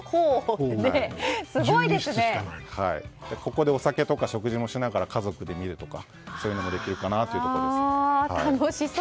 ここでお酒とか食事をしながら家族で見るとかそういうのもできるかなというところです。